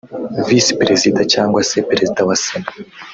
Visi Perezida cyangwa se Perezida wa Sena